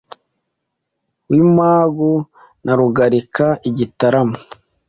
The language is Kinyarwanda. w’i Magu na Rugarika i Gitarama